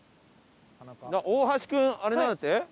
大橋君あれなんだって？